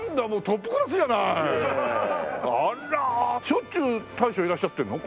しょっちゅう大将いらっしゃってるの？